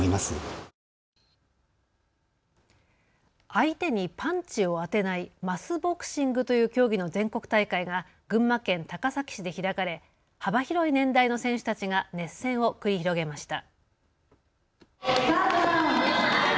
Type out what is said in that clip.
相手にパンチを当てないマスボクシングという競技の全国大会が群馬県高崎市で開かれ幅広い年代の選手たちが熱戦を繰り広げました。